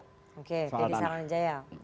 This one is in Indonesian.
oke jadi saranajaya